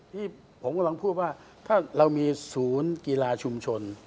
ที่ผมกำลังพูดว่าถ้าเรามีศูนย์กีฬาชุมชน